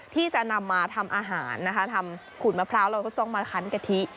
ที่จะนำมาทำอาหารนะคะทำขูดมะพร้าวเราก็ต้องมาคันกะทิ